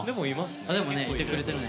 でもねいてくれてるね。